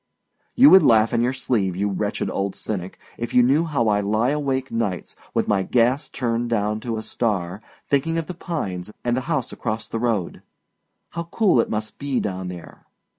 You would laugh in your sleeve, you wretched old cynic, if you knew how I lie awake nights, with my gas turned down to a star, thinking of The Pines and the house across the road. How cool it must be down there!